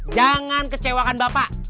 jangan kecewakan bapak